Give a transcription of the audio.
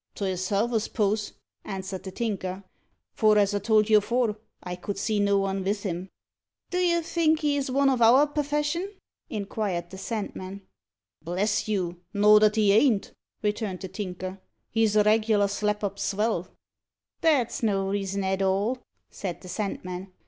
"To hisself, I s'pose," answered the Tinker; "for, as I told you afore, I could see no one vith him." "Do you think he's one of our perfession?" inquired the Sandman. "Bless you! no that he ain't," returned the Tinker. "He's a reg'lar slap up svell." "That's no reason at all," said the Sandman.